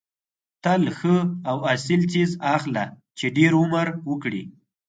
تل ښه او اصیل څیز اخله چې ډېر عمر وکړي.